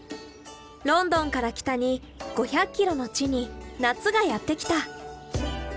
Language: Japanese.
ロンドンから北に５００ｋｍの地に夏がやって来た。